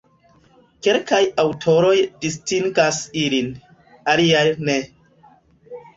Kelkaj aŭtoroj distingas ilin, aliaj ne.